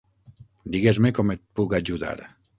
Digues-me com et puc ajudar.